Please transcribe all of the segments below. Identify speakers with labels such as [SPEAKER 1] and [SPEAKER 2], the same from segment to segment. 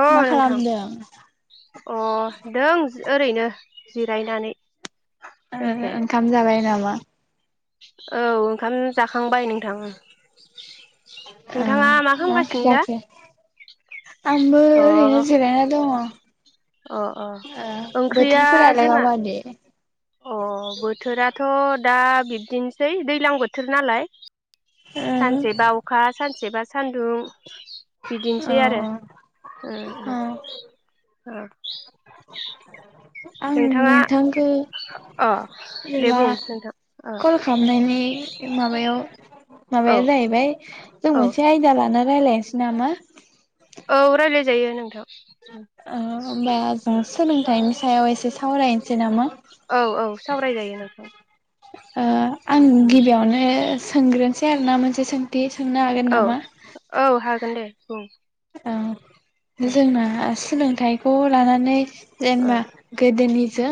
[SPEAKER 1] औ
[SPEAKER 2] मा
[SPEAKER 1] नोंथां
[SPEAKER 2] खालामदों?
[SPEAKER 1] अ दों जि ओरैनो जिरायनानै
[SPEAKER 2] ओ
[SPEAKER 1] दसे
[SPEAKER 2] ओंखाम जाबाय नामा?
[SPEAKER 1] औ ओंखाम जाखांबाय नोंथां
[SPEAKER 2] ओ
[SPEAKER 1] नोंथाङा
[SPEAKER 2] मा
[SPEAKER 1] खालामगासिनो दा
[SPEAKER 2] ओख्रि आंबो
[SPEAKER 1] अ
[SPEAKER 2] ओरैनो जिरायना दङ
[SPEAKER 1] अ अ
[SPEAKER 2] ओ
[SPEAKER 1] ओंख्रिया
[SPEAKER 2] बोथोरफोरालाय
[SPEAKER 1] जोंना
[SPEAKER 2] माबादि
[SPEAKER 1] अ बोथोराथ थ' दा बिब्दिनोसै दैज्लां बोथोर नालाय
[SPEAKER 2] ओ
[SPEAKER 1] सानसे बा अखा सानसे बा सान्दुं
[SPEAKER 2] अ
[SPEAKER 1] बिदिनोसै आरो ओ-ओ [inaudible]
[SPEAKER 2] आं नोंथांखौ
[SPEAKER 1] अ दे
[SPEAKER 2] मबा
[SPEAKER 1] बुं नोंथां
[SPEAKER 2] कल खालामनायनि माबायाव
[SPEAKER 1] औ
[SPEAKER 2] माबाया जाहैबाय जों
[SPEAKER 1] औ
[SPEAKER 2] मोनसे आयदा ला रायलायनोसै नामा
[SPEAKER 1] औ रायलायजायो नोंथां
[SPEAKER 2] होमबा जों सोलोंथाइनि सायाव एसे सावरायनो सै नामा
[SPEAKER 1] औ औ सावरायजायो नोंथां उम
[SPEAKER 2] आं
[SPEAKER 1] उम
[SPEAKER 2] गिबियावनो सोंग्रोसै आरो ना मोनसे सोंथि सोंनो हागोन नामा?
[SPEAKER 1] सोंदे बुं
[SPEAKER 2] अ जोंना आसि सोलोंथाइखौ लानानै
[SPEAKER 1] ओ
[SPEAKER 2] जेनेबा गोदोनि जों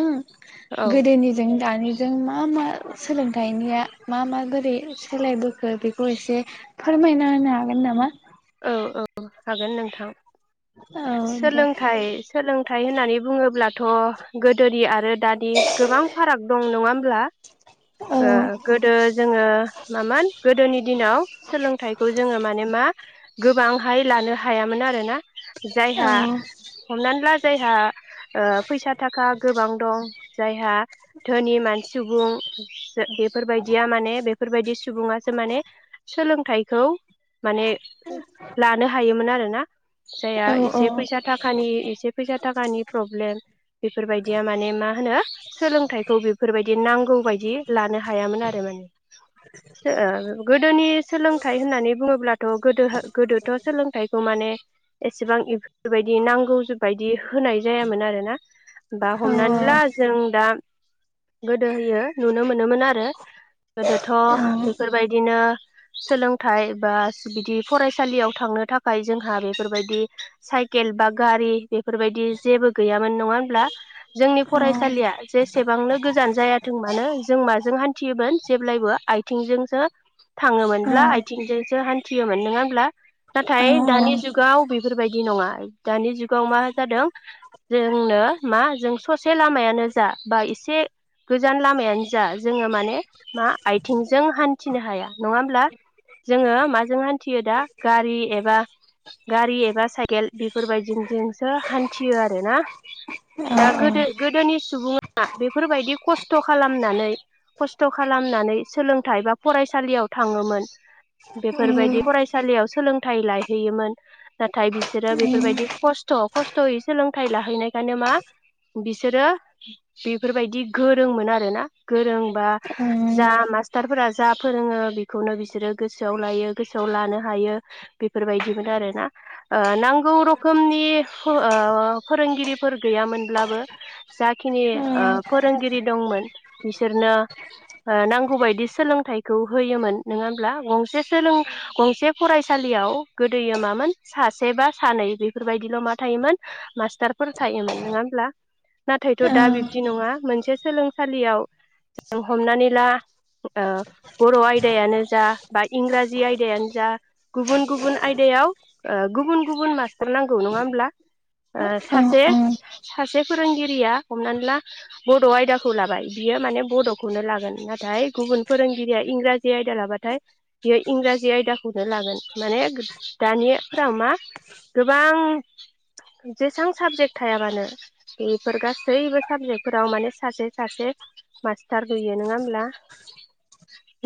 [SPEAKER 1] औ
[SPEAKER 2] गोदोनिजों दानिजों मा मा सोलोंथाइनिया मा माबोरै सोलायबोखो बेखौ एसे फोरमायना होनो हागोन नामा?
[SPEAKER 1] औ औ हागोन नोंथां।
[SPEAKER 2] औ दे
[SPEAKER 1] सोलोंथाइ सोलोंथाइ होननानै बुङोब्ला। थ' गोदोनि आरो दादि गोबां फाराग दं नङा होमब्ला?
[SPEAKER 2] औ
[SPEAKER 1] गोदो जोङो मामोन गोदोनि दिनाव सोलोंथाइखौ जोङो माने मा गोबांहाय लानो हायामोन आरोना।
[SPEAKER 2] औ
[SPEAKER 1] जायहा हमनानै ला जायहा फैसा थाखा गोबां दं। जायहा धोनि मानसि सुबुं बेफोरबायदिया माने बे बेफोरबायदि सुबुङासो माने सोलोंथाइखौ माने लानो हायोमोन आरो ना जाया एसे
[SPEAKER 2] औ औ
[SPEAKER 1] फैसा थाखानि एसे फैसा था थाखानि प्रब्लेम बेफोरबायदिया माने मा होनो सोलोंथाइखौ बेफोरबायदि नांगौ बायदि लानो हा हायामोन आरो माने गोदोनि सोलोंथाइ होननानै बुङोब्ला गोदो गोदोथ' सोलोंथाइखौ माने एसेबां बेफोरबायदि नांगौ बायदि होनाय जायामोन आरोना बा
[SPEAKER 2] औ
[SPEAKER 1] हमनानै ला जों दा गोदो होयो नुनो मोनोमोन आरो गोदोथ' बेफोरबायदिनो सोलोंथाइ बा बिदि फरायसालियाव थांनो थाखाय जोंहा बेफोरबायदि साइकेल बा गारि बेफोरबायदि जेबो गैयामोन नङा होमब्ला जोंनि फरायसालिया जेसेबांनो गोजान जायाथों मानो जों माजों हान्थियोमोन जेब्लायबो आथिंजोंसो थाङोमोनब्ला आथिंजोंसो हान थियोमोन नङा होमब्ला नाथाय दानि
[SPEAKER 2] औ
[SPEAKER 1] जुगाव बेफोरबायदि नङा दानि जुगाव मा जादों जोंनो मा जों ससे लामायानो जा बा एसे गोजान लामायानो जा जोङो माने मा आथिंजों हान्थिनो हाया नङा होमब्ला जोङो मा जों हानथियो दा गारि एबा गारि एबा साइकेल बेफोरबायदि जोंसो हानथियो आरोना दा
[SPEAKER 2] औ
[SPEAKER 1] गोदो गोदोनि सुबुंआ बेफोरबायदि खसथ' खालामनानै खसथ' खालामनानै सोलोंथाइ एबा फरायसालियाव थाङोमोन बे फोरबायदि
[SPEAKER 2] उम
[SPEAKER 1] फरायसालियाव सोलोंथाइ लाायहैयोमोन नाथाय बिसोरो बेफोरबायदि खस्थ' खस्थ'यै सोलोंथाइ लाहैनायखायनो मा बिसोरो बेफोरबायदि गोरोंमोन आरो ना गोरोंबा जा मास्टारफोरा जा फोरोङो बेखौनो बिसोरो गोसोआव लायो गोसोआव लानो हायो बेफोरबायदिमोन आरोना ओ नांगौ रोखोमनि ओ फोरोंगिरिफोर गैयामोनब्लाबो जाखिनि ओ फोरोंगिरि दंमोन बिसोरनो ओ नांगौ बायदि सोलोंथाइखौ होयोमोन नोङा होनब्ला गंसे सोलों गंसे फरायसालियाव गोदोयो मामोन सासे बा सानै बेफोरबायदिल' मा थायोमोन मास्टारफोर थायोमोन नङा होमब्ला नाथायथ' दा बिब्दि नङा मोनसे सोलोंसालियाव जों हमनानै ला ओ बर' आयदायानो जा बा इंराजि आयदायानो जा गुबुन गुबुन आयदायाव ओ गुबुन गुबुन मास्टार नांगौ नङा होमब्ला ओ सासे
[SPEAKER 2] उम
[SPEAKER 1] सासे फोरोंगिरिया हमनानै ला बड' आयदाखौ लाबाय बियो माने बड'खौनो लागोन नाथाय गुबुन फोरोंगिरिया इंराजि आयदा लाबाथाय बेयो इंराजि आयदाखौनो लागोन माने दानिफोराव मा गोबां जेसां साबजेक्ट थाया मानो बेफोर गासैबो साबजेक्टफोराव माने सासे सासे मास्टार होयो नङा होमब्ला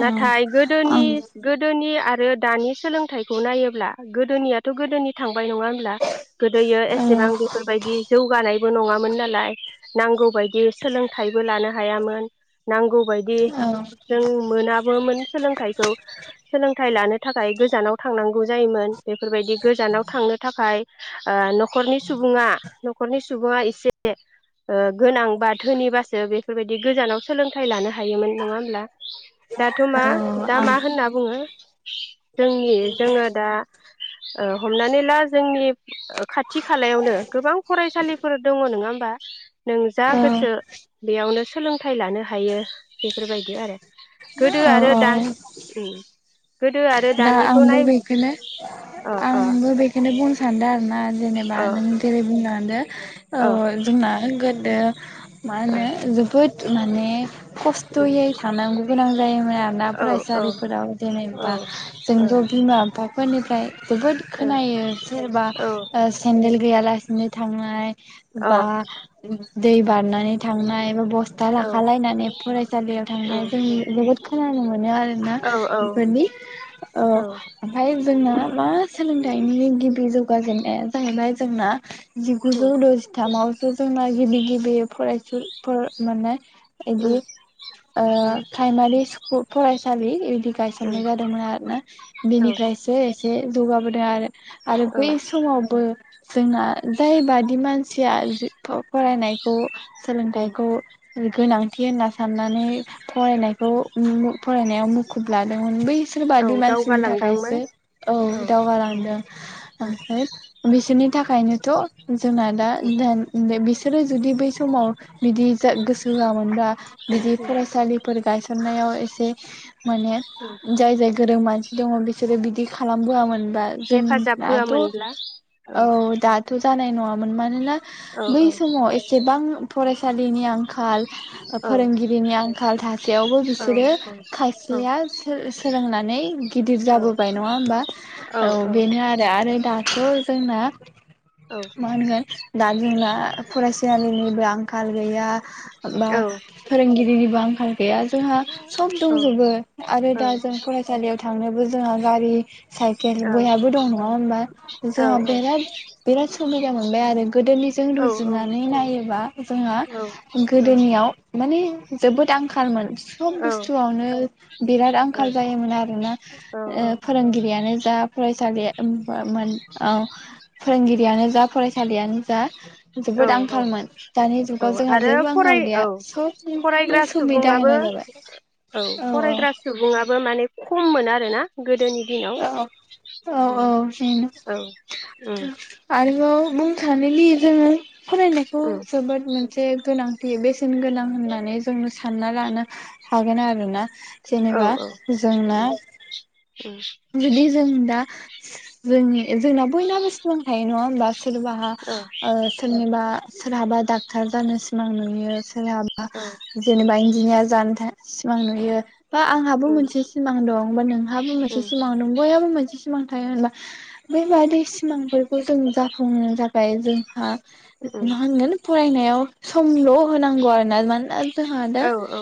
[SPEAKER 1] नाथाय गो दोनि
[SPEAKER 2] उम औ
[SPEAKER 1] गोदोनि आरो दानि सोलोंथाइखौ नायोब्ला गोदोनियाथ' गोदोनि थांबाय नङा होनोब्ला गोदोयो
[SPEAKER 2] औ
[SPEAKER 1] एसेबां
[SPEAKER 2] आं
[SPEAKER 1] बेफोरबायदि जौगानायबो नङामोन नालाय नांगौबायदि सोलोंथाइबो लानो हायामोन नांगौबायदि
[SPEAKER 2] औ
[SPEAKER 1] जों मोनाबोमोन सोलोंथाइखौ सोलोंथाइ लानो थाखाय गोजानाव थांनांगौ जायोमोन बेफोरबायदि गोजानाव थांनो थाखाय ओ न'खरनि सुबुङा न'खरनि सुबुङा एसे ओ गोनां बा धोनिबासो बेफोरबायदि गोजानाव सोलोंथाइ लानो हायोमोन नङा होमब्ला दाथ' मा
[SPEAKER 2] औ औ
[SPEAKER 1] दा
[SPEAKER 2] आं
[SPEAKER 1] मा बुङो जोंनि जोङो दा ओ हमनानै ला जोंनि खाथि खालायावनो गोबां फरायसालिफोर दङ नङा होमबा नों जा
[SPEAKER 2] औ
[SPEAKER 1] गोसो बेयावनो सोलोंथाइ लानो हायो बेफोरबायदि आरो गोदो
[SPEAKER 2] औ
[SPEAKER 1] आरो दा उम गोदो आरो
[SPEAKER 2] दा
[SPEAKER 1] दानिखौ
[SPEAKER 2] आंबो
[SPEAKER 1] नाय
[SPEAKER 2] बेखौनो
[SPEAKER 1] अ अ
[SPEAKER 2] आंबो बेखौनो बुंनो सान्दों आरोना जेनेबा
[SPEAKER 1] अ
[SPEAKER 2] नों जेरै बुं लांदो औ जोंना गो दो मा होनो जोबोद माने खस्थ'यै थांनांगौ गोनां जायोमोन आरोना फरायसालिफोराव जेनेबा बिमा बिफाफोरनिफ्राय जोबोद खोनायो सोरबा ओ से नदेल गैयालासिनो थांनाय बा उम दै बारनानै थांनाय एबा ब स्था लाखा लायनानै फरायसालियाव थांनाय जों जोबोद खोनानो मोनो आरोना बेफोरनि अ ओमफ्राय जों ना मा सोलोंथाइनि गिबि जौगाजेननाया जाहैबाय जोंना जिगुजौ द'जिथामावसो जोंना गिबि गिबि फरायसु फोर माने इदि ओ प्राइमारि फरायसालि गायसननाय जादोंमोन आरो ना बेनिफ्रायसो‌ एसे जौगाबोदों आरो आरो बै समावबो जोंना जायबादि मानसिया फरायनायखौ सोलोंथाइखौ गोनांथि होनना साननानै फरायनायखौ ओम फरायनायाव मुखुब लादोंमोन बै बेसोर बादि
[SPEAKER 1] औ
[SPEAKER 2] मानसि नि
[SPEAKER 1] दावगालांदोंमोन
[SPEAKER 2] थाखायो औ
[SPEAKER 1] औ
[SPEAKER 2] दावगालांदों ओमफ्राय बिसोरनि थाखायनोथ' जोंना दा दान बिसो सोरो जुदि बै समाव बिदि गोसो होआमोनबब्ला बिदि फरायसालि फोर गायसननायाव एसे माने जाय जाय गोरों मान दङ बिसोरो बिदि खालामबो आमोन जों
[SPEAKER 1] हेफाजाब
[SPEAKER 2] दाथ'
[SPEAKER 1] होआमोनब्ला
[SPEAKER 2] औ दाथ' जानाय नङा। मोन मारोना
[SPEAKER 1] औ
[SPEAKER 2] बै
[SPEAKER 1] औ
[SPEAKER 2] समाव एसेबां फरायसालिनि आंखाल
[SPEAKER 1] औ
[SPEAKER 2] फोरोंगिरिनि आंखाल थासेयावबो
[SPEAKER 1] औ
[SPEAKER 2] बिसोरो
[SPEAKER 1] औ
[SPEAKER 2] खायसेया सोलोंना नै गिदिर
[SPEAKER 1] औ
[SPEAKER 2] जाबोबाय नङा होमबा औ बेनो आरो आरो दा थ' जोंना मा होनगोन दा जोंना फरायसालि निबो आंखाल गैया। बा फोरोंगिरिनि बो आंखाल गैया जोंहा सब
[SPEAKER 1] औ
[SPEAKER 2] दंजोबो आरो दा जों फरायसालियाव थांनोबो जोंहा गारि साइकेल बयहाबो दं नङा होमबा जोंहा बेराद बिराद सुबि दा मोनबाय आरो गोदोनिजों रुजुनानै नायोबा जोंहा गोदोनियाव माने जोबोद आंखालमोन सब बुस्थुआवनो बिराद आंखाल जायोमोन आरोना
[SPEAKER 1] औ औ
[SPEAKER 2] फोरोंगिरियानो जा फराय सालिया बा मोन औ फोरोंगिरियानो जा फरायसालियानो जा
[SPEAKER 1] औ
[SPEAKER 2] जोबोद
[SPEAKER 1] औ
[SPEAKER 2] आंखालमोन दानि जुगाव
[SPEAKER 1] औ
[SPEAKER 2] जोंहा
[SPEAKER 1] आरो
[SPEAKER 2] जेबो आंखाल
[SPEAKER 1] फराय
[SPEAKER 2] गैया
[SPEAKER 1] औ
[SPEAKER 2] सबनिबो
[SPEAKER 1] फरायग्रा
[SPEAKER 2] सुबिदा
[SPEAKER 1] सुबुङाबो
[SPEAKER 2] होनाय जाबाय
[SPEAKER 1] औ
[SPEAKER 2] औ
[SPEAKER 1] फरायग्रा सुबुङाबो माने खममोन आरो ना गोदोनि दिनाव
[SPEAKER 2] औ औ
[SPEAKER 1] उम
[SPEAKER 2] औ बेनो
[SPEAKER 1] औ उम
[SPEAKER 2] आरोबाव बुंखानो लिर जोङो फरायनायखौ
[SPEAKER 1] उम
[SPEAKER 2] जोबोद मोनसे गोनां बेसेन गोनां होननानै जों सानना लानो हागोन आरोना
[SPEAKER 1] औ
[SPEAKER 2] जेनेबा
[SPEAKER 1] औ
[SPEAKER 2] जोंना
[SPEAKER 1] उम उम
[SPEAKER 2] जुदि जों दा जोंनि जोंना बयनाबो सिमां थायो नङा होमबा सोरबाहा
[SPEAKER 1] औ
[SPEAKER 2] सोरनिबा सोरहाबा डाक्टार जानो सिमां नुयो सोरहाबा
[SPEAKER 1] औ
[SPEAKER 2] जेनेबा इन्जिनियार जानो सिमां नुयो बा आंहाबो
[SPEAKER 1] उम
[SPEAKER 2] मोनसे सिमां दं बा नोंहाबो मोनसे
[SPEAKER 1] उम उम
[SPEAKER 2] सिमां दं बयहाबो मोनसे सिमां थायो होनब्ला बेबायदि सिमांफोरखौ जों जाफुंनो थाखाय जोंहा
[SPEAKER 1] उम
[SPEAKER 2] मा होनगोन फरायनायाव समल' होनांगौ आरोना मानोना जोंहा दा
[SPEAKER 1] औ औ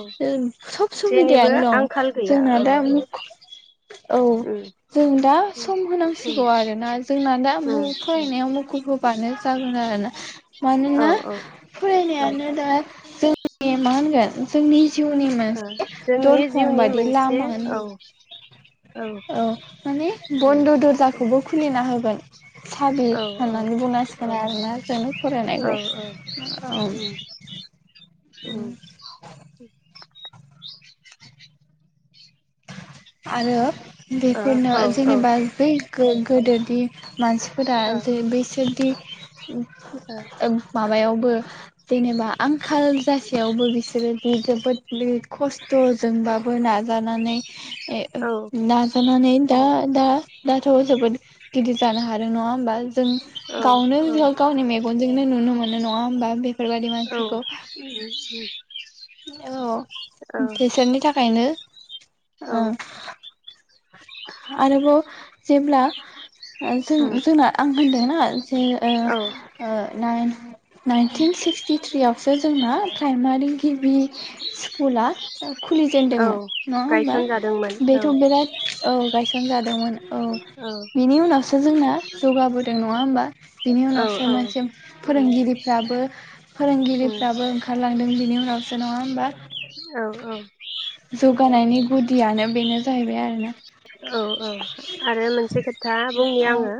[SPEAKER 2] सब
[SPEAKER 1] जेनिबो
[SPEAKER 2] सुबिदायानो दं
[SPEAKER 1] आंखाल गैया
[SPEAKER 2] जोंना
[SPEAKER 1] औ उम
[SPEAKER 2] दा औ
[SPEAKER 1] उम
[SPEAKER 2] जों दा
[SPEAKER 1] उम
[SPEAKER 2] सम होनांसिगौ आरोना जोंना दा
[SPEAKER 1] उम
[SPEAKER 2] फरायनायाव मुखुब होबानो जागोन आरो ना
[SPEAKER 1] औ
[SPEAKER 2] मानोना
[SPEAKER 1] औ उम
[SPEAKER 2] फरायनायानो दा जों मा होनगोन जोंनि जिउनि मोनसे
[SPEAKER 1] जोंनि
[SPEAKER 2] दरखं
[SPEAKER 1] जिउनि
[SPEAKER 2] बादि
[SPEAKER 1] मोनसे
[SPEAKER 2] लामानि
[SPEAKER 1] औ
[SPEAKER 2] औ माने बन्द' दर्जाखौबो खुलिना होगोन [inaudible] साबि
[SPEAKER 1] औ
[SPEAKER 2] होननानै बुंनांसिगोन आरोना जों
[SPEAKER 1] औ औ
[SPEAKER 2] फरायनायखौ
[SPEAKER 1] औ [inaudible]
[SPEAKER 2] आरो
[SPEAKER 1] ओ
[SPEAKER 2] बेफोरनो
[SPEAKER 1] औ औ
[SPEAKER 2] जेनेबा बै गो-गोदो दे मानसिफोरा जे बैसो दि ओ माबायाव बो जेनेबा आंखाल जासेयावबो बिसोरो दि जोबोद खस्थ'जोंबाबो नाजानानै [inaudible] ए ओ नाजा नानै दा दा दाथ' जोबोद गिदिर जानो हादों नङा होमबा जों
[SPEAKER 1] औ
[SPEAKER 2] गावनो गावनि मे गनजोंनो नुनो मोनो नङा होमबा बे
[SPEAKER 1] औ उम उम।
[SPEAKER 2] औ बिसोरनि थाखायनो
[SPEAKER 1] औ
[SPEAKER 2] आरोबाव जेब्ला ओ जों
[SPEAKER 1] उम
[SPEAKER 2] जोंना आं होनदों ना जे ओ
[SPEAKER 1] औ
[SPEAKER 2] ओ नाइन नाइनटिन सिक्सटि थ्रियाव सो जोंना प्राइमारि गिबि स्कुला
[SPEAKER 1] औ
[SPEAKER 2] खुलिजेनदोंमोन नङा होमबा
[SPEAKER 1] गायसनजादोंमोन औ
[SPEAKER 2] बेथ' बिराद औ गायसनजा दोंमोन औ बिनि उनावसो जोंना जौगाबोदों नङा होमबा? बिनि
[SPEAKER 1] औ
[SPEAKER 2] उनावसो
[SPEAKER 1] औ
[SPEAKER 2] मोनसे
[SPEAKER 1] उम
[SPEAKER 2] फोरोंगिरिफ्राबो
[SPEAKER 1] उम
[SPEAKER 2] फोरोंगिरिफ्राबो ओंखारलांदों बिनि उ उनावसो नङा होमबा
[SPEAKER 1] औ औ
[SPEAKER 2] जौगानायनि गुद
[SPEAKER 1] औ औ आरो मोनसे खोथा बुंनि
[SPEAKER 2] औ
[SPEAKER 1] आङो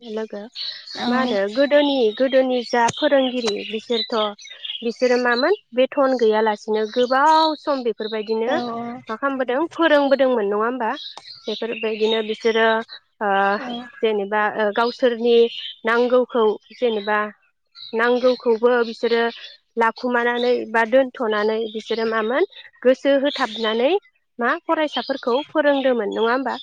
[SPEAKER 1] [unintelligible]
[SPEAKER 2] औ
[SPEAKER 1] मा होनो गोदोनि गोदोनि जा फोरोंगिरि बिसोरथ' बिसोरो मामोन बेथन गैयालासिनो गोबाव सम बे फोरबायदिनो
[SPEAKER 2] औ
[SPEAKER 1] मा खामबोदों फोरोंबोद दोंमोन नङा होमबा बेफोरबायदिनो बिसोरो ओ जेनेबा गावसि सोरनि नांगौखौ जेनेबा नांगौखौबो बिसोरो लाखुमानानै बा दोनथ'नानै बिसोरो मामोन गोसो होथाबनानै मा फराय फरायसाफोरखौ फोरोंदोंमोन नङा होमबा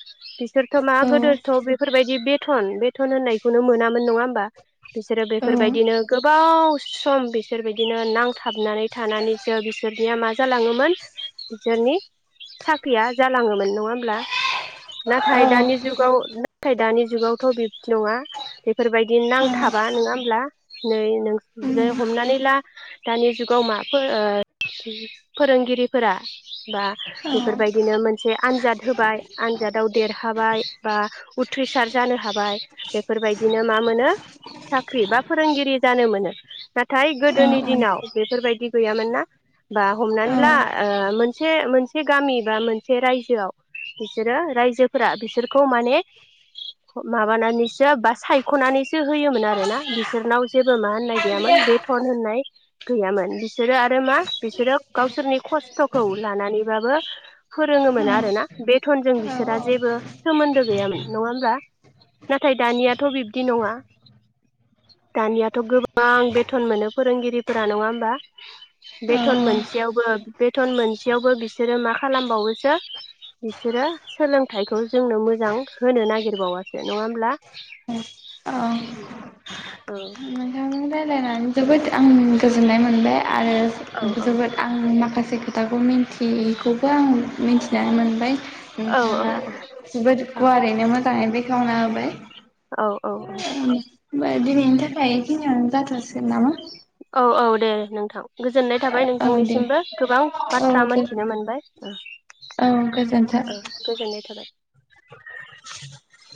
[SPEAKER 1] आरोथ' मा
[SPEAKER 2] औ
[SPEAKER 1] गोदोथ' बेफोरबायदि बे बेथन बेथन होननायखौनो मोनामोन नङा होमबा बिसोरो
[SPEAKER 2] औ औ
[SPEAKER 1] बेफोरबायदिनो गोबाव ख सम बिसोर बिदिनो नांथाबनानै थानानैसो बिसोरनिया मा जालाङोमोन बिसोरनि साख ख्रिया जालाङोमोन नङा होमब्ला? नाथाय दानि
[SPEAKER 2] नोंथांजों
[SPEAKER 1] जुगाव नाथाय दानि जुगावथ' बिबदि नङा बेफोरबायदि नांथाबा नोङा होमब्ला नै नोंसोरजे हमनानै ला दानि जुगाव मा फो ओ फोरोंगिरिफोरा बा बेफोरबायदिनो मोनसे आनजाद होबाय आनजादाव देरहाबाय बा उथ उथ्रिसार जानो हाबाय बेफोरबायदिनो मा मोनो साख्रि एबा फोरोंगिरि जानो मोनो नाथाय गोदोनि दिनाव
[SPEAKER 2] रायज्लायनानै
[SPEAKER 1] बेफोरबायदि गैयामोन ना बा हमनानै ला ओ मोनसे मोनसे गामि बा मोनसे रायजोआव बिसोरो रायजोफोरा बिसोरखौ माने माबानानैसो बा सायख'नानैसो होयोमोन आरो ना बिसोरनाव जेबो मा होननाय गैयामोन बेथन होननाय गैयामोन बिसोरो आरो मा बिसोरो गावसोरनि खस्थ'खौ लानानै बाबो फोरोङोमोन आरोना बेथनजों बिसोरा जेबो सोमोनदो गैयामोन नङा होमब्ला नाथाय दानियाथ' बिब्दि नङा दानियाथ' गोबां बेथन मोनो फोरोंगिरिफोरा नङा होमबा बेथन मोनसेयावबो बेथन मोनसेयावबो बिसो बिसोरो मा खालामबावोसो बिसोरो सोलोंथाइखौ जोंनो मोजां होनो नागिरबावासो नङा होमब्ला औ
[SPEAKER 2] रायलायनानै जोबोद आं गोजोननाय मोनबाय। आरो
[SPEAKER 1] औ औ
[SPEAKER 2] जोबोद आं माखासे माखसे खोथाखौ मिन्थियिखौबो आं मिनथिनानै मोनबाय।
[SPEAKER 1] औ औ
[SPEAKER 2] नोंथाङा जबोद गुवारैनो मो जाङै बेखेवना होबाय।
[SPEAKER 1] औ औ औ
[SPEAKER 2] दिनैनि थाखाय बेखिनियावनो जाथ'सिगोन नामा?
[SPEAKER 1] औ औ दे नोंथां गोजो गोजोननाय थाबाय
[SPEAKER 2] औ दे
[SPEAKER 1] नोंथांनिसिमबो गोबां
[SPEAKER 2] औ
[SPEAKER 1] बाथ्रा
[SPEAKER 2] दे।
[SPEAKER 1] मोनथिनो मोनबाय ओ
[SPEAKER 2] औ गोजोन्थों
[SPEAKER 1] ओ गोजोननाय थाबाय।
[SPEAKER 2] [inaudible]